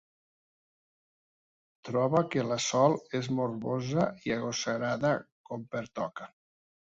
Troba que la Sol és morbosa i agosarada, com pertoca.